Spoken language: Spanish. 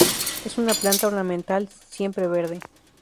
Es una planta ornamental, siempreverde.